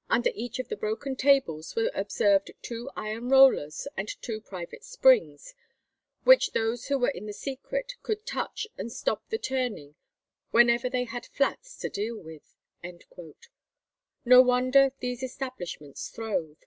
... Under each of the broken tables were observed two iron rollers and two private springs, which those who were in the secret could touch and stop the turning whenever they had flats to deal with." No wonder these establishments throve.